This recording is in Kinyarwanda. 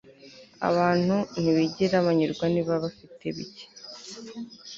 abantu ntibigera banyurwa niba bafite bike